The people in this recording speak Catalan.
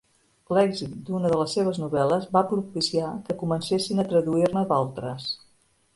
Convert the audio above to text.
L'èxit d'una de les seves novel·les va propiciar que comencessin a traduir-ne d'altres.